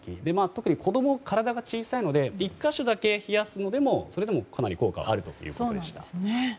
特に、子供は体が小さいので１か所だけ冷やすのでも効果はあるということでした。